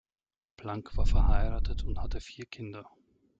Planck war verheiratet und hatte vier Kinder.